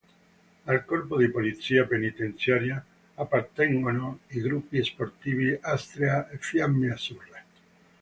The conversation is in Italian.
Al Corpo di Polizia Penitenziaria appartengono i gruppi sportivi Astrea e Fiamme Azzurre.